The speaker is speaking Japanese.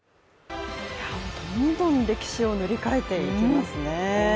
どんどん歴史を作っていきますね。